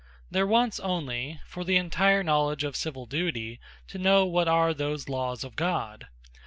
There wants onely, for the entire knowledge of Civill duty, to know what are those Lawes of God.